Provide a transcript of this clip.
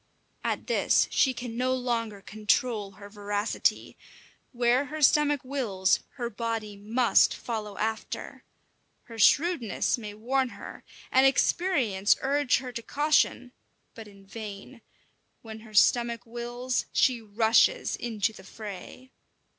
At this she can no longer control her voracity. Where her stomach wills, her body must follow after. Her shrewdness may warn her, and experience urge her to caution, but in vain: when her stomach wills, she rushes into the fray.